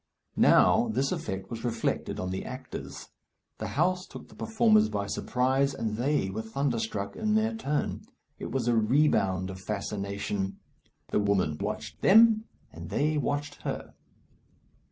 Now, this effect was reflected on the actors. The house took the performers by surprise, and they were thunderstruck in their turn. It was a rebound of fascination. The woman watched them, and they watched her.